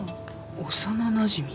幼なじみ。